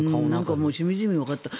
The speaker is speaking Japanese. なんかもうしみじみとわかった。